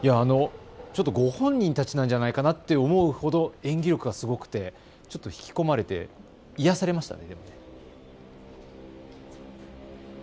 ご本人たちなんじゃないかなと思うほど演技力がすごくて引き込まれて癒やされましたね。